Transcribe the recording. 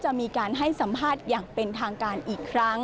จะมีการให้สัมภาษณ์อย่างเป็นทางการอีกครั้ง